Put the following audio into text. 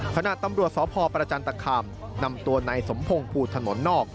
ขณะตำรวจสพประจันตคามนำตัวนายสมพงศ์ภูถนนนอก